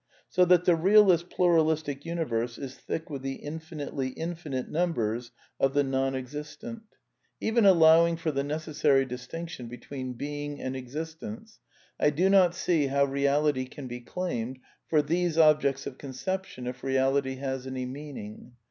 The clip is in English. So that the realist's pluralistic universe is thick with the infinitely infinite numbers of the non existent. Even THE NEW KEALISM 235 allowing for the necessary distinction between being and existence, I do not see how reality can be claimed for these objects of conception if reality has any meaning.